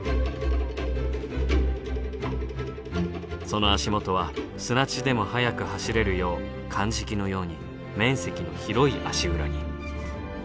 その足元は砂地でも速く走れるようかんじきのように面積の広い足裏に。